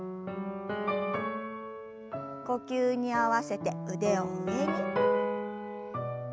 呼吸に合わせて腕を上に。